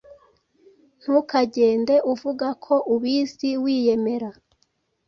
Ntukagende uvuga ko ubizi wiyemera.